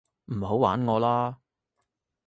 唔好玩我啦